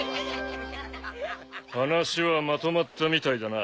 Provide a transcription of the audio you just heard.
話はまとまったみたいだな。